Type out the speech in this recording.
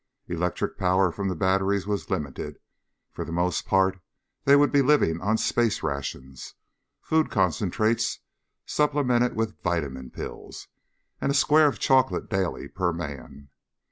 Electric power from the batteries was limited. For the most part they would be living on space rations food concentrates supplemented with vitamin pills and a square of chocolate daily per man.